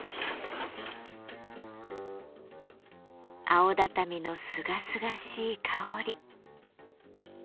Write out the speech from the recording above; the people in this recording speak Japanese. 青畳のすがすがしい香り。